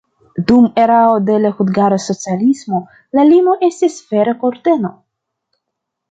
Dum erao de la hungara socialismo la limo estis Fera kurteno.